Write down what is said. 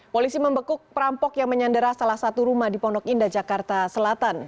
polisi membekuk perampok yang menyandera salah satu rumah di pondok indah jakarta selatan